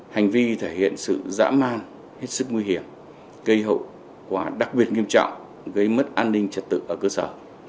hành vi thể hiện sự dã man hết sức nguy hiểm gây hậu quả đặc biệt nghiêm trọng gây mất an ninh trật tự ở cơ sở